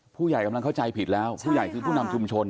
ผู้ใหญ่กำลังเข้าใจผิดแล้วผู้ใหญ่คือผู้นำชุมชน